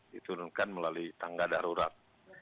diturunkan melalui tangga darurat